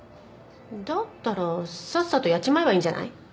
だったらさっさとやっちまえばいいんじゃない？